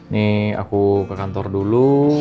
nih aku ke kantor dulu